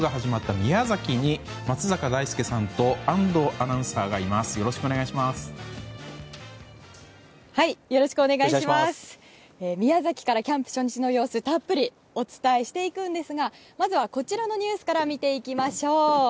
宮崎からキャンプ初日の様子をたっぷりお伝えしていくんですがまずは、こちらのニュースから見ていきましょう。